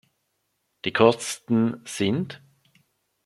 Die Kosten sind .